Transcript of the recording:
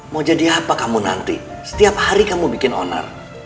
mau jadi apa kamu nanti setiap hari kamu bikin onar